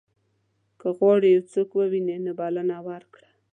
که غواړې یو څوک ووینې نو بلنه ورکړه.